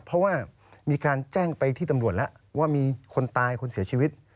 เพราะว่ามีการแจ้งไปที่ตำรวจแล้วว่ามีคนตายคนเสียชีวิต